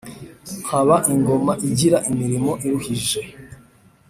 nkaba ingoma igira imirimo iruhije,